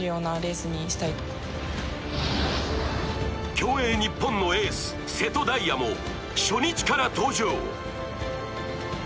競泳ニッポンのエース・瀬戸大也も初日から登場。